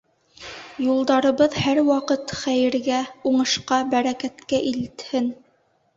Юлдарыбыҙ һәр ваҡыт хәйергә, уңышҡа, бәрәкәткә илтһен!